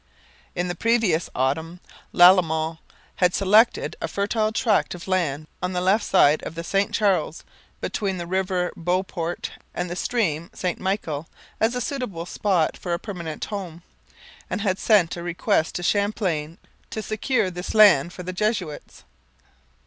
In the previous autumn Lalemant had selected a fertile tract of land on the left side of the St Charles, between the river Beauport and the stream St Michel, as a suitable spot for a permanent home, and had sent a request to Champlain to secure this land for the Jesuits.